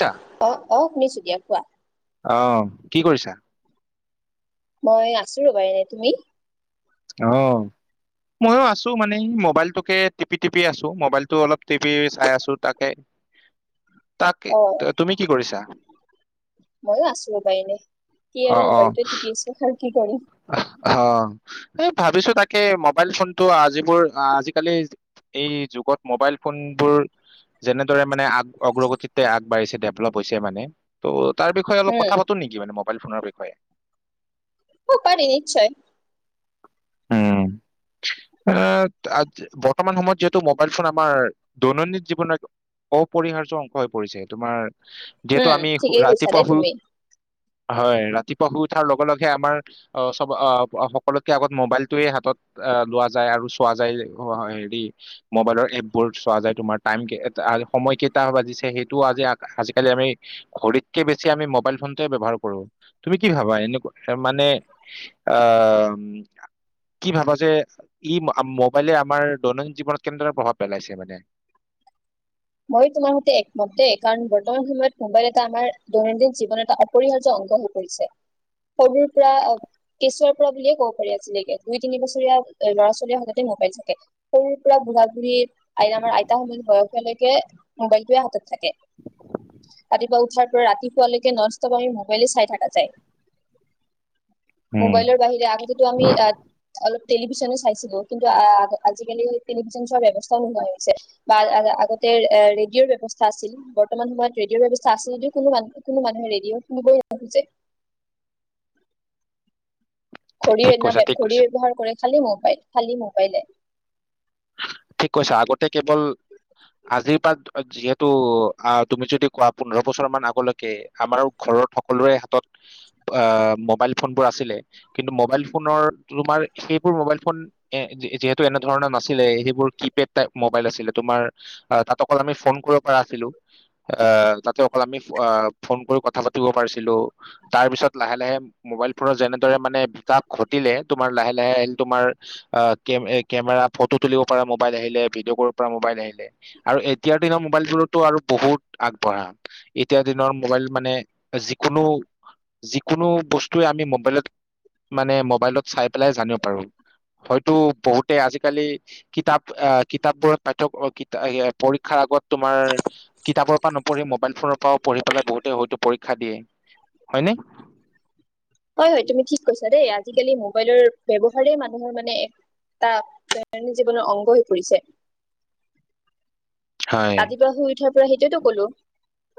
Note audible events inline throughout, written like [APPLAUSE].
ছা অ', অ', শুনিছো দিয়া কোৱা। অ', কি কৰিছা। মই আছো ঘৰত তুমি। অ মইও আছো মানে মোবাইলটোকে টিপি টিপি আছো মোবাইলটো অলপ টিপি চাই আছো তাকে। তাকে অ ত- তুমি কি কৰিছা? মইও আছো ৰবা এনে কি অ আৰু অ মোবাইলটো টিপি আছো কি কৰিম। অ এ ভাবিছো তাকে ম মোবাইল ফোনটো আজি মোৰ আজিকালি এই যুগত মোবাইল ফোনবোৰ যেনেদৰে মানে আ। অগ্ৰগতিতে আগবাঢ়িছে। ডেভলপ হৈছে মানে ত'। তাৰ বিষয়ে অলপ উম কথা পাতো নেকি মানে মোক। ম'বাইল ফোনৰ বিষয়ে। অ পাৰি নিশ্চয়। উম এ আজ বৰ্তমান সময়ত যিহেতু মোবাইল ফোন আমাৰ দৈনন্দিন জীৱনত অপৰিহাৰ্য অংশ হৈ পৰিছে তোমাৰ। যিহেতু উম আমি শু- ঠিকেই কৈছা ৰাতিপুৱা দেই শুই তুমি। হয় ৰাতিপুৱা শুই উঠাৰ লগে লগে আমাৰ। অ চব সকলোকে আগত মোবাইলটোৱে হাতত লোৱা যায় আৰু চোৱা যায় হেৰি মোবাইলৰ এপ বোৰ চোৱা যায় তোমাৰ টাইম সময় কেইটা বাজিছে সেইটোও আজি আজিকালি আমি ঘড়ীতকে বেছি আমি মোবাইল ফোনটোৱে ব্যৱহাৰ কৰো তুমি কি ভাবা এনেকুৱা মানে। অ কি ভাবা যে ই মোবাইলে আমাৰ দৈনন্দিন জীৱনত কেনেদৰে প্ৰভাৱ পেলাইছে মানে মই তোমাৰ সৈতে একমত দেই কাৰণ বৰ্তমান সময়ত মোবাইল এটা আমাৰ দৈনন্দিন জীৱনৰ এটা অপৰিহাৰ্য অংগ হৈ পৰিছে সৰুৰ পৰা কেঁচুৱাৰ পৰা বুলিয়ে কব পাৰি আজিলেগে দুই তিনি বছৰীয়া ল'ৰা ছোৱালীৰ হাততে মোবাইল থাকে সৰুৰ পৰা বুঢ়া বু়ঢ়ী আমাৰ আইতাৰ সময়ত বয়সলৈকে। এ মোবাইলটোৱে হাতত থাকে। ৰাতিপুৱা উঠি পৰা ৰাতিপুৱালৈকে নন ষ্ট্ৰপ আমি মোবাইলে চাই থকা যায়। উম মোবাইলৰ বাহিৰে আগতেতো আমি এক অলপ। টেলিভিছনে চাইছিলো কিন্তু আজিকালি টেলিভিচন চোৱাৰ ব্যৱস্থাও নোহোৱা হৈ গৈছে বা আগত। ৰেডিঅ'ৰ ব্যৱস্থা আছিল বৰ্তমান সময়ত ৰেডিঅ'ৰ ব্যৱস্থা আছিল যদি কোনো মান- কোনো মানুহে ৰেডিঅ' শুনিবই নোখোজে। ঠিক ঘড়ী ঠিক অন্য কৈছা ঠিক ঘড়ী কৈছা ব্যৱহাৰ কৰে খালি মোবাইল। খালি মোবাইলে ঠিক কৈছা আগতে কেৱল আজিৰ পৰা যিহেতু তুমি যদি কোৱা পোন্ধৰ বছৰ মান আগলৈকে আমাৰ ঘৰৰ সকলোৰে হাতত অহ মোবাইল ফোনবোৰ আছিলে কিন্তু মোবাইল ফোনৰ তোমাৰ সেইবোৰ মোবাইল ফোন এ যিহেতু এনেধৰণৰ নাছিলে এ বোৰ কিপেড টাইপ মোবাইল আছিল তোমাৰ অ তাত অকল আমি ফোন কৰিব পৰা আছিলো এ তাতে অকল আমি অ ফোন কৰি কথা পাতিব পাৰিছিলো তাৰ পিছত লাহে লাহে মোবাইলবোৰ যেনেদৰে মানে বিকাশ ঘটিলে তোমাৰ লাহে লাহে তোমাৰ অ কেমেৰ কেমেৰা ফটো তুলিব পৰা মোবাইল আহিলে ভিডিঅ' কৰিব পৰা মোবাইল আহিলে আৰু এতিয়াৰ দিনৰ মোবাইলবোৰতো আৰু বহুত আগবঢ়া এতিয়াৰ দিনৰ মোবাইল মানে যিকোনো যিকোনো বস্তুৱে আমি মোবাইলত মানে মোবাইলত চাই পেলাই জানিব পাৰো হয়তো বহুতে আজিকালি কিতাপ আহ কিতাপবোৰত পাঠক পৰীক্ষাৰ আগত তোমাৰ কিতাপৰ পৰা নপঢ়ি মোবাইল ফোনৰ পৰাও পঢ়ি পেলাই বহুতে হয়তো পৰীক্ষা দিয়ে [INAUDIBLE] হয় হয় তুমি ঠিক কৈছা দেই আজিকালি মোবাইলৰ ব্যৱহাৰেই মানুহৰ মানে এটা দৈনন্দিন জীৱনৰ অংগ হৈ পৰিছে হয় ৰাতিপুৱা শুই উঠি ঠি পৰা সেইটোৱেইটো কলো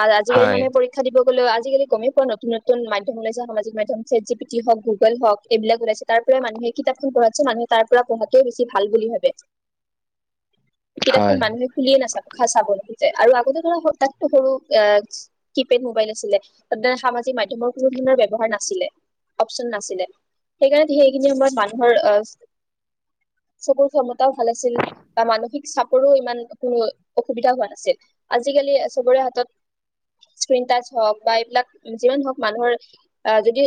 আআ আজিকালি হয় মানে পৰীক্ষা দিব বলৈ আজিকালি গমেই পোৱা নতুন নতুন মাধ্যম ওলাইছে সামাজিক মাধ্যম ছেট জি পিটি হওক গুগল হওক এইবিলাক ওলাইছে তাৰ পৰাই মানুহে কিতাপখন পঢ়াতকেচোন মানুহে তাৰ পৰা পঢ়াতোৱে বেছি ভাল বুলি ভাবে কিতাপখন হয় মানুহে খুলিয়ে নাচাযব আৰু আগতে ধৰা তাতকৈ সৰু আহ কিপেড মোবাইল আছিলে ত সামাজিক মাধ্যমৰ কোনো ধৰণৰ ব্যৱহাৰ নাছিলে অপচন নাছিলে সেইকাৰণেই কি হয় কি মানুহৰ অ চবৰ ক্ষমতাও ভাল আছিল মানসিক চাপৰো ইমান অসুবিধা হোৱা নাছিল আজিকালি সবৰে হাতত স্ক্ৰীন টাচ হওক বা এইবিলাক যিমান হওঁক মানুহৰ আহ যদি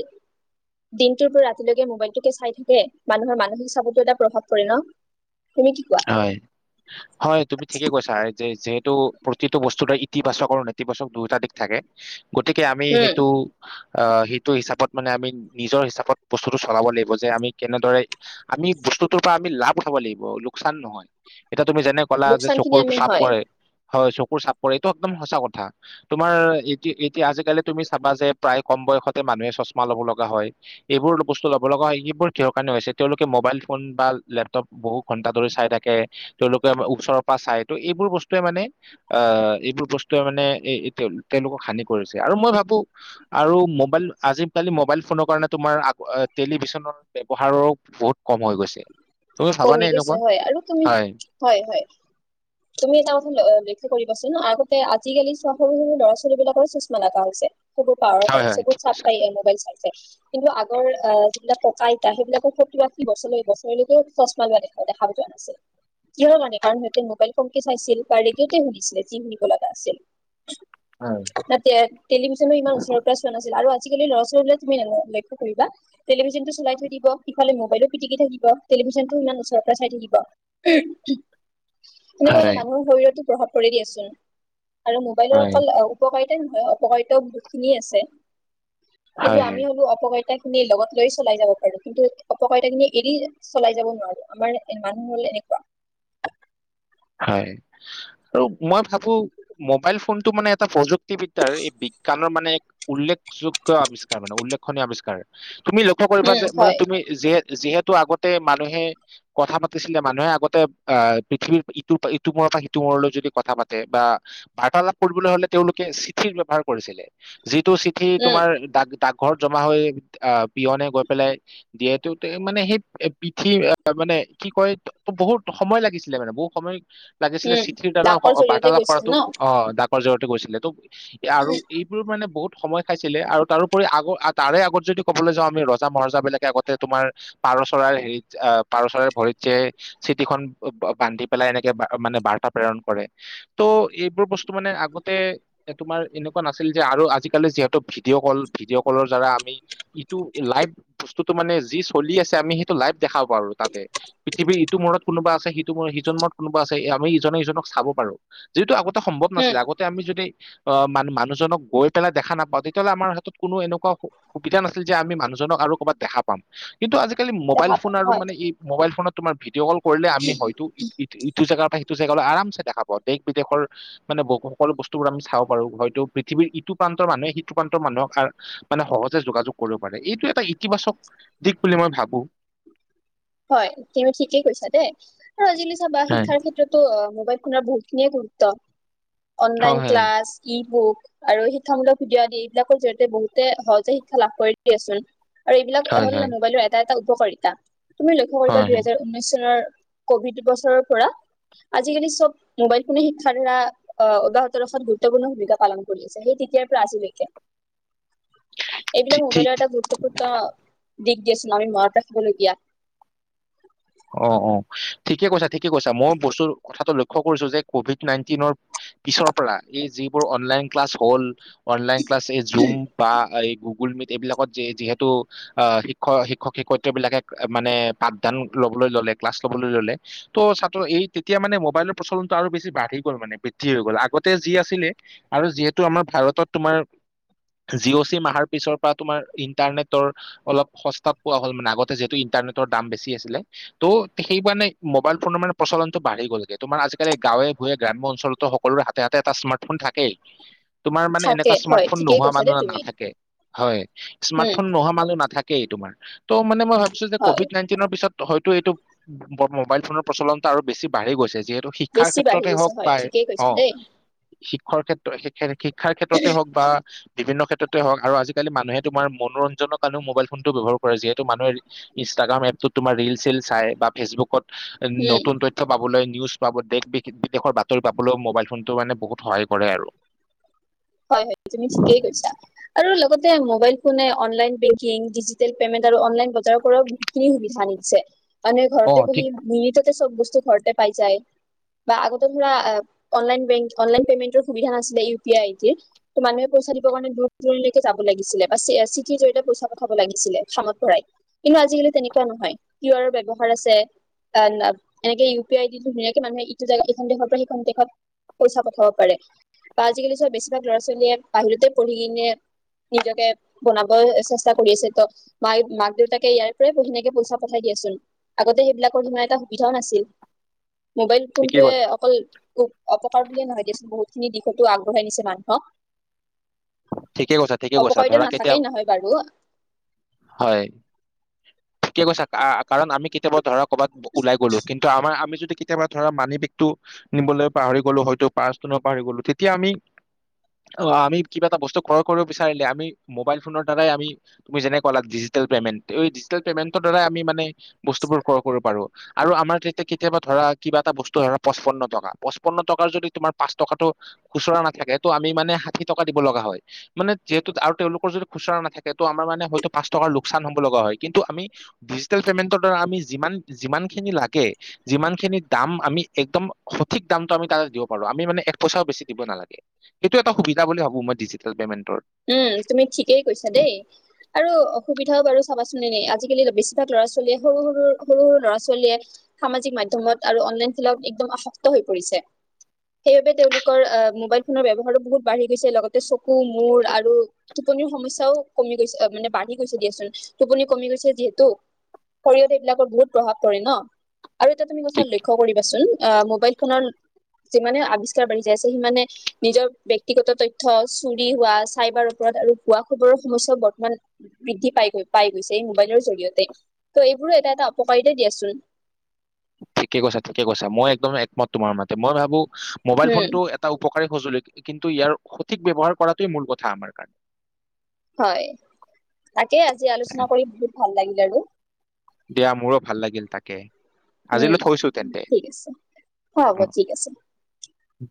দিনটোৰ পৰা ৰাতিলৈকে মোবাইলটোকে চাই থাকে মানুহৰ মানসিক চাপতো এটা প্ৰভাৱ পৰে ন তুমি কি কোৱা হয় হয় তুমি ঠিকে কৈছা যে টো প্ৰতিটো বস্তু ইতিবাচক আৰু নেতিবাচক দুয়োটা দিশ থাকে গতিকে আমি উম সেইটো অঁ সেইটো হিচাপত মানে আমি নিজৰ হিচাপত বস্তুটো চলাব লাগিব যে আমি কেনেদৰে আমি বস্তুটোৰ পৰা আমি লাভ উঠাব লাগিব লোকচান নহয় এটা তুমি যেনে ক'লা যে লোকচান খিনি চকুৰ আমি চাপ হয় পৰে হয় চকুৰ চাপ কৰে এইটো একদম সঁচা কথা তোমাৰ এতি এতিয়া আজিকালি তুমি চাবা যে প্ৰায় কম বয়সতে মানুহে চশমা লব লগা হয় এইবোৰ বস্তু লব লগা হয় সেইবোৰ কিহৰ কাৰণে হৈছে তেওঁলোকে মোবাইল ফোন বা লেপটপ বহুত ঘন্টা ধৰি চাই থাকে, তেওঁলোকে ওচৰৰ পৰা চাই ত' এইবোৰ বস্তুৱে মানে, আঁহ এইবোৰ বস্তুৱে মানে তেওঁলোকক হানি কৰিছে। আৰু মই ভাবো আৰু মোবাইল আজিকালি মোবাইল ফোনৰ কাৰণে তোমাৰ টেলিভিছনৰ ব্যৱহাৰো বহুত কম হৈ গৈছেই। তুমি ভাবানে কমি এনেকুৱাই গৈছে হয় আৰু তুমি হয় হয় তুমি এটা কথা লক্ষ্য কৰিবাচোন আগতে আজিকালি চোৱা সৰু সৰু ল'ৰা ছোৱালী বিলাকৰ চশমা লগা হৈছে চকুৰ পাৱাৰৰ হয় কাৰণে হয় চকুত ঠিক চাপ কৈছা পাই মোবাইল চাই কিন্তু আগৰ অঁ যিবিলাক ককা আইতা সেইবিলাকৰ সত্তৰ আশী বছৰলে বছৰেলৈকে চশমা লোৱা দেখা দেখা যোৱা নাছিল, মানে কাৰণ সিহঁতে মোবাইল কমকে চাইছিল বা ৰেডিঅ'তে শুনিছিলে যি শুনিব লগা আছিল হয় ন তাতে টেলিভিশনো ইমান ওচৰৰ পৰা চোৱা নাছিল আৰু আ আজিকালি লৰা ছোৱালী বিলাক লক্ষ্য কৰিবা টেলিভিশনটো চলাই থৈ দিব সিফালে মোবাইলটো পিটিকি থাকিব টেলিভিছন টো ইমান ওচৰ পৰা চাই থাকিব এনেকুৱা হলে হয় মানুহৰ শৰীৰতো প্ৰভাৱ পৰে দিয়াচোন আৰু মোবাইলৰ হয় অকল উপকাৰিত নহয় অপকাৰিতাওঁ বহুত খিনিয়ে আছে কিন্তু হয় আমি হয় হলো অপকাৰিতা লগত লৈ চলাই যাব পাৰো। কিন্তু, অপকাৰিতাখিনি এৰি চলাই যাব নোৱাৰো, আমাৰ মানুহ হ'ল এনেকুৱা। হয়, আৰু মই ভাবো মোবাইল ফোনটো মানে এটা প্ৰযুক্তিবিদ্যাৰ এই বিজ্ঞানৰ মানে এক উল্লেখযোগ্য আৱিষ্কাৰ মানে উল্লেখনীয় আৱিস্কাৰ। তুমি লক্ষ্য কৰিবা উম যে, মানে হয় তুমি যিহেত-যিহেতু টো আগতে মানুহে কথা পাতিছিলে মানুহে আগতে অঁ', পৃথিৱীৰ ই ইটো মূৰৰ পৰা সিটো মূৰলৈ যদি কথা পাতে বা বাৰ্তালাপ কৰিবলৈ হ'লে তেওঁলোকে চিঠিৰ ব্যৱহাৰ কৰিছিলে যি টো চিঠি উম তোমাৰ ডাক-ডাক ঘৰত জমা হৈ আহ পিয়নে গৈ পেলাই দিয়েতো, মানে সেই পিঠি মানে কি কয় বহুত সময় লাগিছিলে মানে বহুত সময় লাগিছিলে উম চিঠিৰ দ্বাৰা লাকৰ জৰিয়তে বাৰ্তালাপ গৈছিল কৰাটো ন অঁ', ডাক গৈছিলেটো। আৰু এইবোৰ মানে বহুত সময় খাইছিলে আৰু তাৰোপৰি আগ তাৰে আগত যদি ক'বলৈ যাওঁ আমি ৰজা মহাৰজা বিলাকে আগতে তোমাৰ পাৰ চৰাই হেৰিত পাৰ চৰাইৰ ভৰিত যে চিঠিখন বান্ধি পেলাই এনে মানে বাৰ্তা প্ৰেৰণ কৰে। ত' এইবোৰ বস্তু মানে আগতে এ তোমাৰ এনেকুৱা নাছিল যে, আৰু আজিকালি যিহেতু ভিডিঅ' কল ভিডিঅ' কলৰ দ্বাৰা আমি ইটো লাইভ বস্তুতটো মানে যি চলি আছে আমি সেইটো লাইভ দেখাব পাৰো তাতে। পৃথিৱীৰ ইটো মূৰত কোনোবা আছে সিটো মূৰত সি কোনোবা আছে আমি ইজনে সিজনক চাব পাৰো যিহেটো আগত টো সম্ভৱ উম নাছিলে আগতে আমি যদি অ', মান মানুহজনক গৈ পেলাই দেখা নাপাওঁ তেতিয়াহ'লে আমাৰ হাতত কোনো এনেকোৱা সুবিধা নাছিল যে, আমি মানুহজনক আৰু ক'ৰবাত দেখা পাম। কিন্তু আজিকালি মোবাইল দেখা ফোন পাম আৰু হয় মানে এই মোবাইল ফোনত তোমাৰ ভিডিঅ' কল কৰিলে আমি হয়তো ইটো ইটো জেগাৰ পৰা সিটো জেগালৈ আৰাম চে দেখা পাওঁ। দেশ বিদেশৰ মানে বহু সকলো বস্তুবোৰ আমি চাব পাৰো হয়তো পৃথিৱীৰ ইটো প্ৰান্তৰ মানুহে সিটো প্ৰান্তৰ মানুহক মানে সহজে যোগাযোগ কৰিব পাৰে এইটো এটা ইতিবাচক দিশ বুলি মই ভাবো। হয়, তুমি ঠিকেই কৈছা দেই। আৰু আজিকালি চাবা হয় শিক্ষাৰ ক্ষেত্ৰতো মোবাইল ফোনৰ বহুত খিনিয়ে তোৰ ত হয় অনলাইন হয় ক্লাছ কি বুক আৰু শিক্ষামূলক ভিডিঅ' আদি এইবিলাকৰ জৰি়য়তে বহুতে সহজে শিক্ষা লাভ কৰে দিয়াচোন। আৰু এইবিলাক হয় হ'ল, হয় মোবাইলৰ এটা, এটা উপকাৰিতা। তুমি লক্ষ্য কৰিবা হয়, হয়। দুহেজাৰ ঊনৈশ চনৰ কভিড বছৰৰ পৰা আজিকালি চব মোবাইল ফোনে শিক্ষাৰ দ্বাৰা আহ অব্যাহত ৰখাত গুৰুত্বপূৰ্ণ ভূমিকা পালন কৰি আছে সেই তেতিয়াৰ পৰা আজিলৈকে। এইবিলাক ঠিক ঠিক মোবাইলৰ এটা গুৰুত্বপূৰ্ণ দিশ দিয়াচোন আমি মনত ৰাখিবলগীয়া। [UNINTELLIGIBLE] অ অ ঠিকে কৈছা ঠিকে কৈছা মই বস্তু কথাটো লক্ষ্য কৰিছো যে কভিড নাইনটিনৰ পিছৰ পৰা এই যিবোৰ অনলাইন ক্লাছ হ'ল অনলাইন ক্লাছ এই জুম‌ বা এই গুগুল মিট এইবিলাকত যি যিহেতু আ শিক্ষ শিক্ষক শিক্ষয়ত্ৰী বিলাকে মানে পাঠদান ল'বলৈ ল'লে ক্লাছ ল'বলৈ ল'লে ত' ছাত্ৰ এই তেতিয়া মানে মোবাইলৰ প্ৰচলনটো আৰু বেছি বাঢ়ি গ'ল মানে বৃদ্ধি হৈ গ'ল আগতে যি আছিলে আৰু যিহেতু আমাৰ ভাৰতত তোমাৰ জি অ' চিম আহৰ পিছৰ পৰা তোমাৰ ইণ্টাৰনেটৰ অলপ সস্তাত পোৱা হ'ল মানে আগতে যিহেতু ইণ্টাৰনেটৰ দাম বেছি আছিলে। ত' সেই মানে মোবাইল ফোনৰ মানে প্ৰচলনটো বাঢ়ি গ'লগে তোমাৰ আজিকালি গাঁৱে ভূঞে গ্ৰাম্য অঞ্চলতো সকলোৰে হাতে হাতে এটা স্মাৰ্ট ফোন থাকেই, তোমাৰ মানে থাকে এনেকুৱা হয় স্মাৰ্টফোন ঠিকেই নোহোৱা কৈছা মানুহ দেই তুমি। নাথাকে হয় স্মাৰ্ট উম, ফোন নোহোৱা মানুহ নাথাকে। কেই তোমাৰ তো মানে মই ভাবি ছো যে হয়। ক'ভিড নাইণ্টিনৰ পিছত হয়তো এইটো মোবাইল ফোনৰ প্ৰচলনতা আৰু বেছি বাঢ়ি গৈছে। যিহেতু শিক্ষাৰ বেছি বাঢ়ি ক্ষেত্ৰতে গৈছে হওক হয় বা ঠিকেই কৈছা অ' দেই শিক্ষাৰ ক্ষেত্ৰত শিক্ষাৰ ক্ষেত্ৰতে হওক বা বিভিন্ন ক্ষেত্ৰতে হওঁক, আৰু আজিকালি মানুহে তোমাৰ মনোৰঞ্জনৰ কাৰণে মোবাইল ফোনটো ব্যৱহাৰ কৰে যিহেতু মানুহে ইনষ্টটাগ্ৰাম এ'পটোত তোমাৰ ৰিল চিল চাই বা ফেচবুকত উম নতুন তথ্য পাবলৈ নিউজ পাব, দেশ বিদেশৰ বাতৰি পাবলৈও মোবাইল ফোনটো মানে বহুত সহায় কৰে আৰু। হয় যে মোবাইল ফোনে অনলাইন বেংকিং, ডিজিটেল পেমেণ্ট আৰু অনলাইন বজাৰ কৰা বহুতখিনি সুবিধা নিছে মানে অ ঘৰতে ঠিক বহি মিনিটত চব বস্তু ঘৰতে পাই যায় বা আগতে ধৰা অনলাইন বেংকিং অনলাইন পেমেন্টৰ সুবিধা নাছিলে ইউ পি আই মানুহে পইচা দিবৰ কাৰণে দূৰ দূৰলৈকে যাব লাগিছিলে বা চিঠিৰ জৰিয়তে পইচা পঠাব লাগিছিলে খামত ভৰাই, কিন্তু আজিকালি তেনেকোৱা নহয়। কিউ আৰৰ ব্যৱহাৰ আছে, এনেকে ইউ পি আই দি ধুনীয়াকে মানুহে ইটো জেগা এইখন দেশৰ পৰা সেইখন দেশত পইচা পঠাব পাৰে বা আজিকালি চোৱা বেচি লাক ল'ৰা ছোৱালীয়ে বাহিৰতে পঢ়ি কিনে নিজকে বনাব চেষ্টা কৰি আছে। ত মায় মাক দেউতাকে ইয়াৰ পৰাই ধুনীয়াকে পইচা পঠাই দিয়েচোন, আগতে সেইবিলাকৰ সিমান এটা সুবিধাও নাছিল। মোবাইল ঠিকে ফোনটোৱে কৈছা অকল অপকাৰ বুলিয়ে নহয় দিয়াচন, বহুতখিনি দিশতো আগঢ়াই নিছে মানুহ হ ঠিকে কৈছা ঠিকে কৈছা, ধৰা কেতিয়া, নহয় বাৰু হয় ঠিকে কৈছা, কাৰণ আমি কেতিয়াবা ধৰক ক'ৰবাত ওলাই গ'লো, কিন্তু আমাৰ আমি যদি কেতিয়াবা ধৰা মানি বেগটো নিবলৈ পাহৰি গলো হয়টো পাৰ্চটো নিব পাহৰি গলো তেতিয়া আমি অ' আমি কিবা এটা বস্তু ক্ৰয় কৰিব বিচাৰিলে আমি মবাইল ফনৰ দ্বাৰা আমি, তুমি যেনেকৈ ক'লা ডিজিটেল পেমেণ্ট, এই ডিজিটেল পেমেণ্টৰ দ্বাৰাই আ আমি মানে বস্তুবোৰ ক্ৰয় কৰিব পাৰো। আৰু আমাৰ তেতিয়া কেতিয়াবা ধৰা কিবা এটা বস্তু ধৰা পঁচপন্ন টকা পঁচপন্ন টকাৰ যদি তোমাৰ পাঁচ টকাটো খুচুৰা নাথাকে তটো আমি মানে ষাঠি টকা দিব লগা হয়। মানে যিহেতু আৰু তেওঁলোকৰ যদি খুচুৰা নাথাকে তটো আমাৰ মানে হয়টো পাঁচ টকাৰ লোকচান হব লগা হয়, কিন্তু আমি ডিজিটেল পেমেন্টৰ দ্বাৰা আমি যিমান যিমান খিনি লাগে যিমান খিনি দাম আমি একদম সঠিক দামটো আমি তাতে দিব পাৰো। আমি মানে এক পইচাও বেছি দিব নালাগে, সেইটো এটা সুবিধা বুলি ভাবো মই ডিজি টেল পেমেণ্ট উম, তুমি ঠিকেই কৈছা দেই, আৰু অসুবিধা বাৰু চাবাচোন আজি কালি বেছিভাগ লৰা ছোৱালী সৰু সৰু সৰু লৰা ছোৱালীয়ে সামাজিক মাধ্যমত আৰু অনলাইন খেল একদম আসক্ত হৈ পৰিছে। সেইবাবে তেওঁলোকৰ মোবাইল ফোনৰ ব্যৱহাৰতো বহুত বাঢ়ি গৈছে, লগতে চক, মুৰ আৰু টোপনীৰ সমস্যাও কমি গৈছে মানে বাঢ়ি গৈছে দিয়াচোন, টোপনি কমি গৈছে যিহেতু শৰীৰত এইবিলাকৰ বহুত প্ৰভাৱ পৰে ন। আৰু এটা তুমি কথা ঠিক লক্ষ্য কৰিবাচোন, অ' মোবাইল ফোনৰ যিমানে আৱিষ্কাৰ বাঢ়ি যাই আছে সি মানে নিজৰ ব্যক্তিগত তথ্য চুৰি হোৱা চাইবাৰ অপৰাধ আৰু ভুৱা খবৰৰ সমস্যাও বৰ্তমান বৃদ্ধি পাই পাই গৈছে এই মোবাইলৰ জৰিয়তে, ত' এইবোৰো এটা এটা অপকাৰিতা দিয়াচোন। ঠিকে কৈছা ঠিকে কৈছা, মই একদম একমত তোমাৰ মাতে। মই ভাবো মোবাইল উম ফোনটো এটা উপকাৰ কাৰি সঁজুলি, কিন্তু ইয়াৰ সঠিক ব্যৱহাৰ কৰাটোৱে মূল কথা আমাৰ কাৰণে। হয়, তাকে আজি আলোচনা কৰি বহুত ভাল লাগিল। [UNINTELLIGIBLE] দিয়া মোৰো ভাল লাগিল তাকে উম আজিলৈ থৈছো তেন্তে ঠিক আছে হ হ'ব ঠিক আছে। উ।